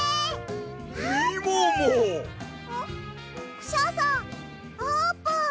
クシャさんあーぷん！